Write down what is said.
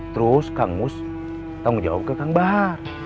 terus kang mus tanggung jawab ke kang bar